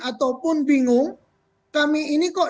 ataupun bingung kami ini kok